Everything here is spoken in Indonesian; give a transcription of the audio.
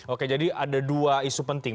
oke jadi ada dua isu penting